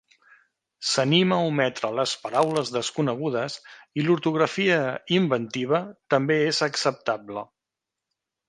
S'anima a ometre les paraules desconegudes i l'ortografia "inventiva" també és acceptable.